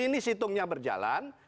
ini situngnya berjalan